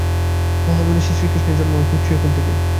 মহামনীষী শ্রীকৃষ্ণের জন্ম ঐ ক্ষত্রিয়কুল থেকে।